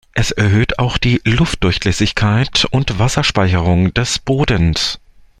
Es erhöht auch die Luftdurchlässigkeit und Wasserspeicherung des Bodens.